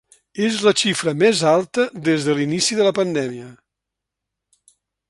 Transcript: És la xifra més alta des de l’inici de la pandèmia.